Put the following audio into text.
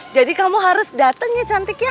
jadi kamu harus dateng ya cantik ya